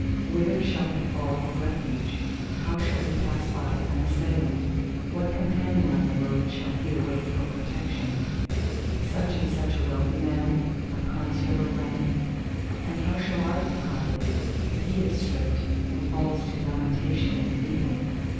Whither shall he fall for refuge—how shall he pass by unassailed? What companion on the road shall he await for protection? Such and such a wealthy man, of consular rank? And how shall I be profited, if he is stripped and falls to lamentation and weeping?